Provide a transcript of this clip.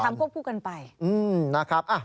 ทำพวกผู้กันไป